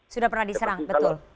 sudah pernah diserang betul